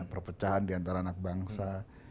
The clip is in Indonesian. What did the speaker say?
perpecahan diantara anak bangsa